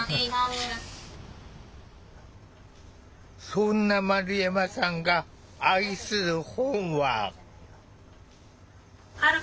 そんな丸山さんが愛する本は。